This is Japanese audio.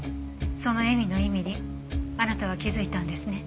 その笑みの意味にあなたは気づいたんですね。